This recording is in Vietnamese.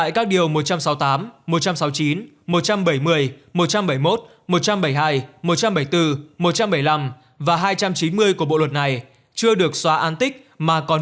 tại các điều một trăm sáu mươi tám một trăm sáu mươi chín một trăm bảy mươi một trăm bảy mươi một một trăm bảy mươi hai một trăm bảy mươi bốn một trăm bảy mươi năm và hai trăm chín mươi của bộ luật này chưa được xóa an tích mà còn